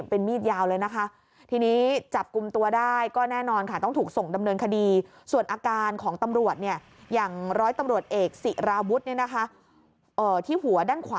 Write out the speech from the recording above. เป็นมีดยาวเลยนะคะ